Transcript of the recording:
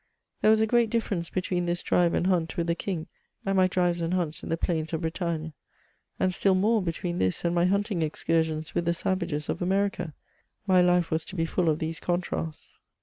There was a great difference between this driye and hunt with the ELing, and my drives and hunts in the plains of Bretagne ; and still more between this and my hunting excursions with the savages of America : my life was to be faJl of these contrasts.